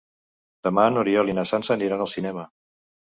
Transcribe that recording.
Demà n'Oriol i na Sança aniran al cinema.